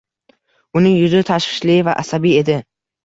Uning yuzi tashvishli va asabiy edi